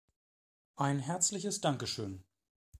Ein herzliches Dankeschön!